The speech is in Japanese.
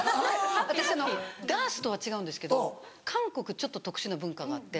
私ダンスとは違うんですけど韓国ちょっと特殊な文化があって。